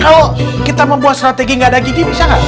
kalau kita membuat strategi nggak ada gigi bisa nggak